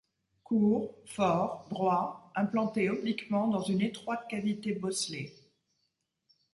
Court, fort, droit, implanté obliquement dans une étroite cavité bosselée.